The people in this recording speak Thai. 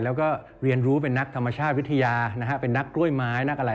แล้วก็เรียนรู้เป็นนักธรรมชาติวิทยานะฮะเป็นนักกล้วยไม้นักอะไร